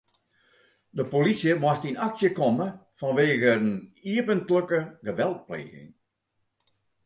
De polysje moast yn aksje komme fanwegen iepentlike geweldpleging.